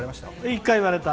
１回、言われた。